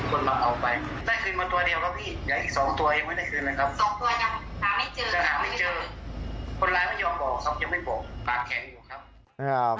สองตัวให้หาไม่เจอเมื่อกี้เจอ